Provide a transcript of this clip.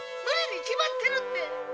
ムリに決まってるって。